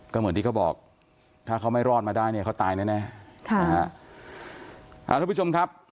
ก็เหมือนที่เขาบอกถ้าเขาไม่รอดมาได้เนี่ยเขาตายแน่แน่ค่ะนะฮะอ่าทุกผู้ชมครับ